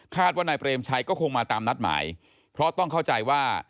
ว่านายเปรมชัยก็คงมาตามนัดหมายเพราะต้องเข้าใจว่า